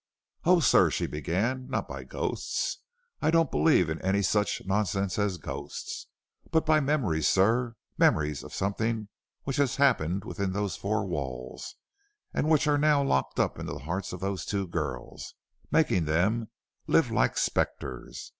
"Oh, sir," she began, "not by ghosts; I don't believe in any such nonsense as ghosts; but by memories sir, memories of something which has happened within those four walls and which are now locked up in the hearts of those two girls, making them live like spectres.